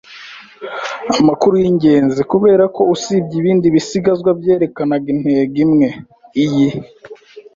amakuru yingenzi, kuberako usibye ibindi bisigazwa byerekanaga intego imwe, iyi